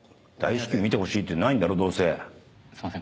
「すいません。